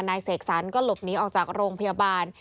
เสกสรรก็หลบหนีออกจากโรงพยาบาล